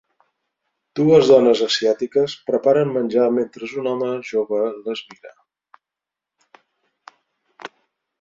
Dues dones asiàtiques preparen menjar mentre un home jove les mira.